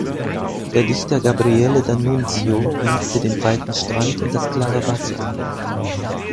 Der Dichter Gabriele D’Annunzio liebte den breiten Strand und das klare Wasser.